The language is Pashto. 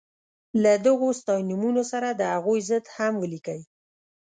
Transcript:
له دغو ستاینومونو سره د هغوی ضد هم ولیکئ.